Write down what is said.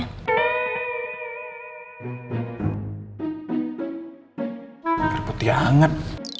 air putih anget